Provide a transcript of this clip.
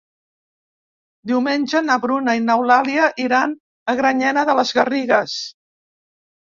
Diumenge na Bruna i n'Eulàlia iran a Granyena de les Garrigues.